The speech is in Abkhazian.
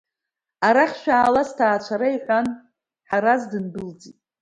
Арахь шәаала сҭаацәара, — иҳәан Ҳараз дындәылҵит.